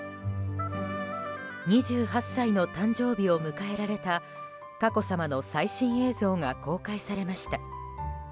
２８歳の誕生日を迎えられた佳子さまの最新映像が公開されました。